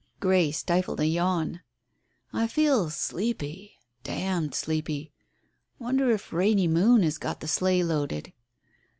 Grey stifled a yawn. "I feel sleepy, d d sleepy. Wonder if Rainy Moon has got the sleigh loaded."